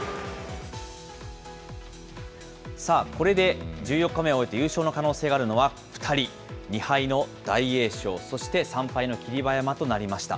さあ、これで１４日目を終えて優勝の可能性があるのは２人、２敗の大栄翔、そして３敗の霧馬山となりました。